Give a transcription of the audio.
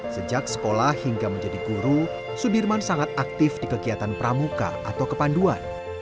sejak sekolah hingga menjadi guru sudirman sangat aktif di kegiatan pramuka atau kepanduan